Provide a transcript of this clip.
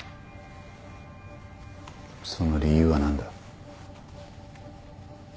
その理由は何だ？